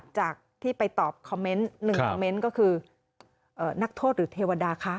จากที่ไปตอบคอมเมนต์หนึ่งคอมเมนต์ก็คือนักโทษหรือเทวดาคะ